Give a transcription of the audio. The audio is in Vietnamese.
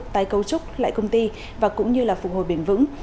tái cấu trúc lại công ty và cũng như là phục hồi bền vững